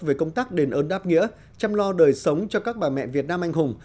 về công tác đền ơn đáp nghĩa chăm lo đời sống cho các bà mẹ việt nam anh hùng